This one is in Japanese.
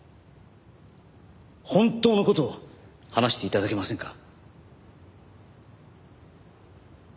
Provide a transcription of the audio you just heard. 本当の事を話して頂けませんか？